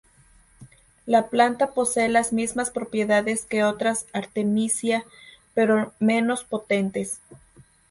La planta posee las mismas propiedades que otras "Artemisia" pero menos potentes.